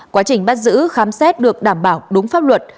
quá trình bắt giữ khám xét được đảm bảo đúng pháp luật